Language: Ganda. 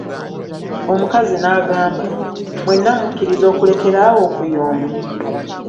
Omukazi n'agamba, mwena mukiliza okulekela awo okuyomba?